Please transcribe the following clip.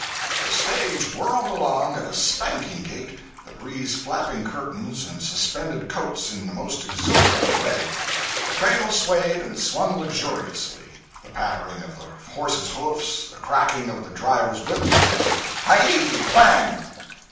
The stage whirled along at a spanking gait, the breeze flapping curtains and suspended coats in a most exhilarating way; the cradle swayed and swung luxuriously, the pattering of the horses' hoofs, the cracking of the driver's whip, and his "Hi yi! g'lang!"